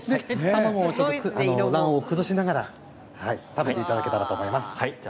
卵黄を崩しながら食べていただけたらと思います。